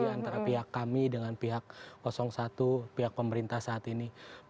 antara pihak kami dengan pihak satu pihak pemerintah saat ini